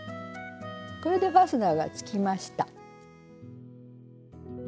これでファスナーがつきました。